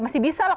masih bisa lah